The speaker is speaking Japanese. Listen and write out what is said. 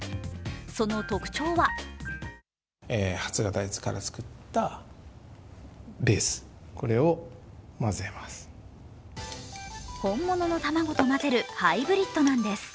その特徴は本物の卵と混ぜるハイブリッドなんです。